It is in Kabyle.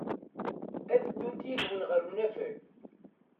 Ad ddunt yid-wen ɣer unafag.